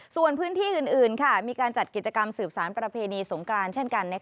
ส่วนพื้นที่อื่นมีการจัดกิจกรรมสืบสารประเพณีสงกรานเช่นกัน